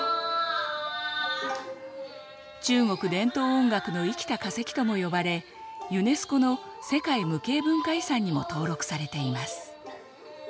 「中国伝統音楽の生きた化石」とも呼ばれユネスコの世界無形文化遺産にも登録されています。